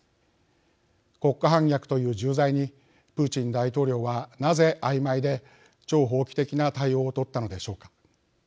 国家反逆という重罪にプーチン大統領はなぜあいまいで超法規的な対応を取ったのでしょうか。